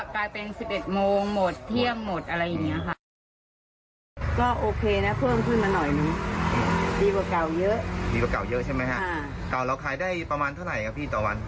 เก่าเราขายได้ประมาณเท่าไหร่ครับพี่ต่อวัน